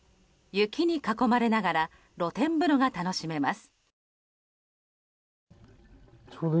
雪に囲まれながら露天風呂が楽しめます。